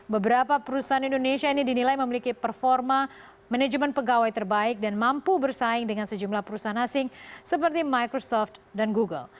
beberapa perusahaan indonesia ini dinilai memiliki performa manajemen pegawai terbaik dan mampu bersaing dengan sejumlah perusahaan asing seperti microsoft dan google